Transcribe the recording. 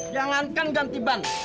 jangankan ganti ban